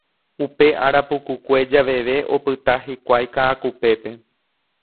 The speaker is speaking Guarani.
Upe ára pukukue javeve opyta hikuái Ka'akupépe.